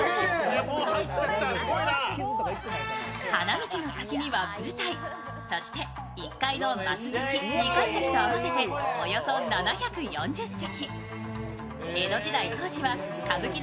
花道の先には舞台、そして１階の升席、２階席と合わせておよそ７４０席。